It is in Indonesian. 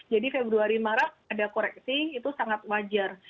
jadi februari maret ada koreksi itu sangat wajar